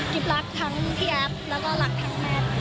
รักทั้งพี่แอฟแล้วก็รักทั้งแมท